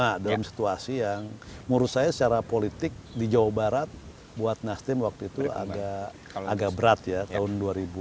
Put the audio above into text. jadi itu juga menjadi satu situasi yang menurut saya secara politik di jawa barat buat nasdem waktu itu agak berat ya tahun dua ribu sembilan belas